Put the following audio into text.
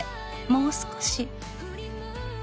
「もう少し」